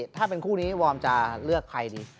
ถ้าเป็นคู่นี้วอร์มจะเลือกใครดี